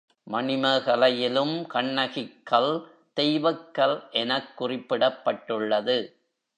மணிமேகலையிலும் கண்ணகிக் கல் தெய்வக் கல் எனக் குறிப்பிடப்பட்டுள்ளது.